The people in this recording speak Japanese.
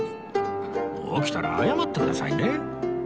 起きたら謝ってくださいね